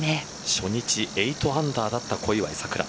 初日８アンダーだった小祝さくら。